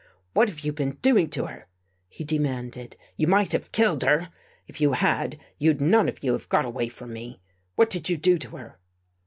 "What have you been doing to her?" he de manded. " You might have killed her. If you had, you'd none of you have got away from me. What did you do to her?